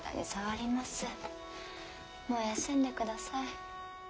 もう休んでください。